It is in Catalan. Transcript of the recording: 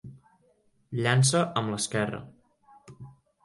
Llança amb l'esquerra.